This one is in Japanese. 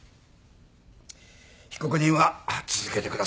被告人は続けてください。